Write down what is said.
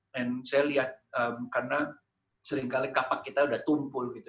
dan saya lihat karena seringkali kapak kita sudah tumpul gitu